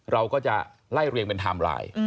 เราก็จะไล่เลี่ยงเป็นทำร้าย